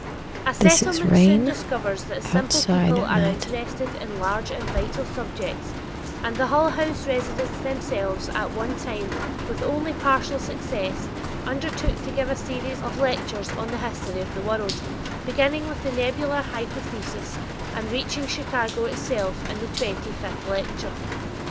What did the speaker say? A Settlement soon discovers that simple people are interested in large and vital subjects, and the Hull House residents themselves at one time, with only partial success, undertook to give a series of lectures on the history of the world, beginning with the nebular hypothesis and reaching Chicago itself in the twenty fifth lecture!